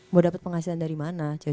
mau dapet penghasilan dari mana